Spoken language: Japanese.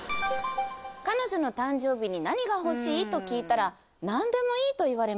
「彼女の誕生日に何が欲しい？と聞いた何でもいいと言われました」。